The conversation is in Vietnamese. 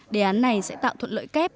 đề án này sẽ tạo thuận lợi kép